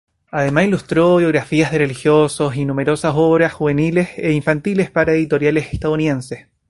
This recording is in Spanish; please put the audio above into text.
Además ilustró biografías de religiosos y numerosas obras juveniles e infantiles para editoriales estadounidenses.